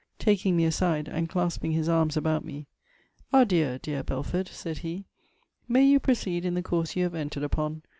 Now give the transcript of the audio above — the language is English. Taking me aside, and clasping his arms about me, 'Adieu, dear Belford!' said he: 'may you proceed in the course you have entered upon!